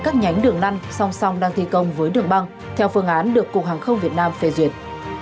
các nhánh đường lăn song song đang thi công với đường băng theo phương án được cục hàng không việt nam phê duyệt